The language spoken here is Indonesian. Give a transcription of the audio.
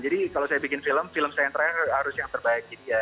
jadi kalau saya bikin film film saya yang terakhir harus yang terbaik